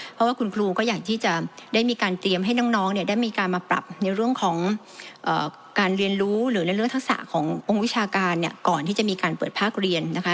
เพราะว่าคุณครูก็อยากที่จะได้มีการเตรียมให้น้องเนี่ยได้มีการมาปรับในเรื่องของการเรียนรู้หรือในเรื่องทักษะขององค์วิชาการเนี่ยก่อนที่จะมีการเปิดภาคเรียนนะคะ